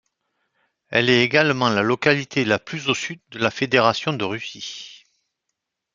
Elle est également la localité la plus au sud de la Fédération de Russie.